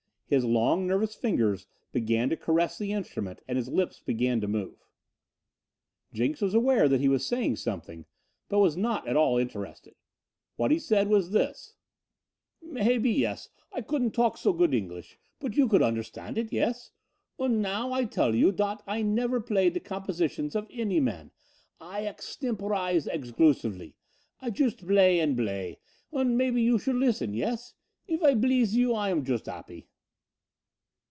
His long nervous fingers began to caress the instrument and his lips began to move. Jenks was aware that he was saying something, but was not at all interested. What he said was this: "Maybe, yes, I couldn't talk so good English, but you could understood it, yes? Und now I tell you dot I never play the compositions of any man. I axtemporize exgloosively. I chust blay und blay, und maybe you should listen, yes? If I bleeze you I am chust happy."